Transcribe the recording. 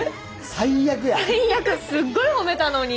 最悪すっごい褒めたのに。